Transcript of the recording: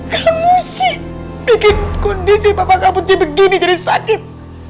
kamu sih bikin kondisi papa kamu jadi begini jadi sakit